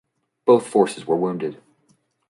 Both forces were wounded.